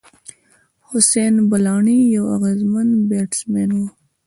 حسېن بلاڼي یو اغېزمن بېټسمېن وو.